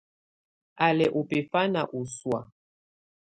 Á lɛ́ ɔ bɛfanɛ ɔ ɔsɔ̀á.